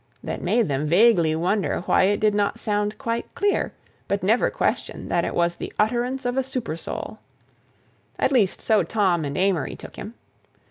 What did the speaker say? that made them vaguely wonder why it did not sound quite clear, but never question that it was the utterance of a supersoul. At least so Tom and Amory took him.